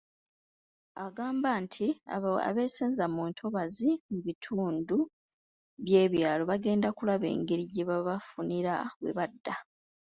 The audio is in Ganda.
Agamba nti abo abeesenza mu ntobazi mu bitundu by'ebyalo bagenda kulaba engeri gye babafunira we badda.